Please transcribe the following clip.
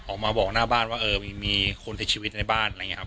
ออกมาบอกหน้าบ้านว่าเออมีคนเสียชีวิตในบ้านอะไรอย่างนี้ครับ